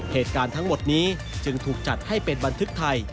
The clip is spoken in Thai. เหตุการณ์ทั้งหมดนี้จึงถูกจัดให้เป็นบันทึกไทย